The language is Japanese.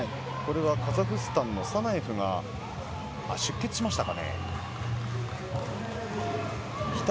カザフスタンのサナエフが出血しましたか？